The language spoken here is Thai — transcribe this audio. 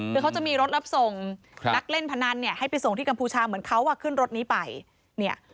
คือเขาจะมีรถรับส่งนักเล่นพนันเนี่ยให้ไปส่งที่กัมพูชาเหมือนเขาอ่ะขึ้นรถนี้ไปเนี่ย